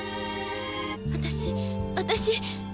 私私。